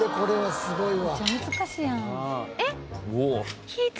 すごいよ。